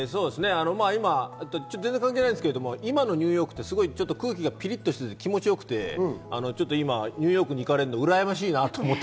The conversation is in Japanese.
全然関係ないんですけど今のニューヨークって空気がピリっとしていて気持ち良くて、今、ニューヨークに行かれるのうらやましいなぁって思って。